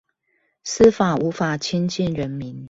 司法無法親近人民